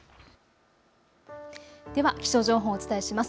では気象情報をお伝えします。